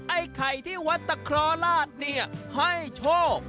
ไอ้ไข่ที่วัดตะครอราชเนี่ยให้โชค